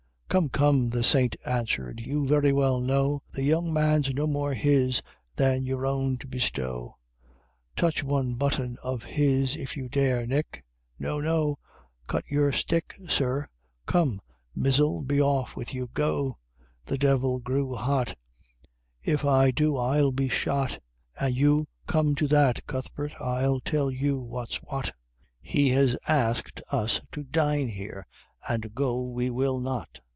"Come, come," the saint answered, "you very well know The young man's no more his than your own to bestow. Touch one button of his if you dare, Nick no! no! Cut your stick, sir come, mizzle! be off with you! go!" The Devil grew hot "If I do I'll be shot! An you come to that, Cuthbert, I'll tell you what's what; He has asked us to dine here, and go we will not!